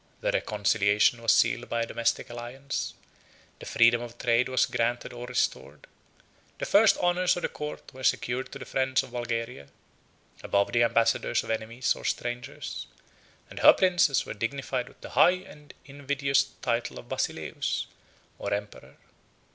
The reconciliation was sealed by a domestic alliance; the freedom of trade was granted or restored; the first honors of the court were secured to the friends of Bulgaria, above the ambassadors of enemies or strangers; 16 and her princes were dignified with the high and invidious title of Basileus, or emperor.